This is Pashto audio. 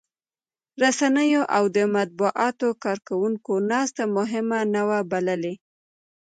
رسنيو او د مطبوعاتو کارکوونکو ناسته مهمه نه وه بللې.